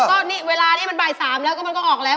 ก็นี่เวลานี้มันบ่าย๓แล้วก็มันก็ออกแล้ว